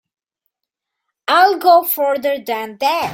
I'll go further than that.